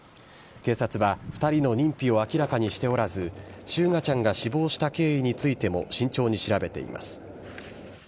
警察は２人の認否を明らかにしておらず、翔雅ちゃんが死亡した経緯についても慎重に調べています。